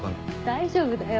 大丈夫だよ。